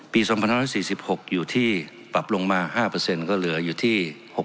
๒๑๔๖อยู่ที่ปรับลงมา๕ก็เหลืออยู่ที่๖๐